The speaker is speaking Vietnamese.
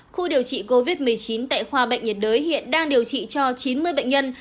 khu điều trị covid một mươi chín tại khoa bệnh nhiệt đới hiện đang điều trị cho chín mươi bệnh nhân